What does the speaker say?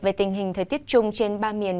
về tình hình thời tiết chung trên ba miền